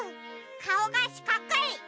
かおがしかくい。